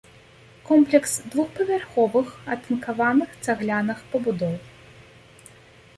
Комплекс двухпавярховых атынкаваных цагляных пабудоў.